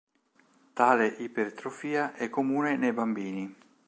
Tale ipertrofia è comune nei bambini.